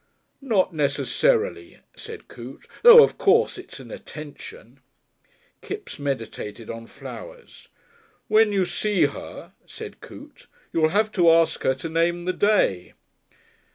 "Not necessarily," said Coote. "Though, of course, it's an attention."... Kipps meditated on flowers. "When you see her," said Coote, "you'll have to ask her to name the day."